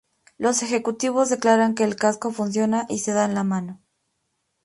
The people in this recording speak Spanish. Los ejecutivos declaran que el casco funciona, y se dan la mano.